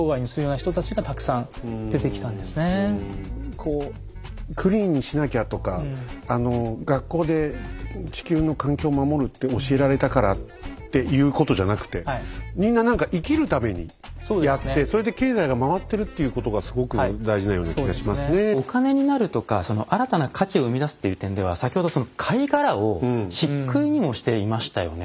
こうクリーンにしなきゃとか学校で地球の環境を守るって教えられたからっていうことじゃなくてお金になるとかその新たな価値を生み出すっていう点では先ほどその貝殻をしっくいにもしていましたよね。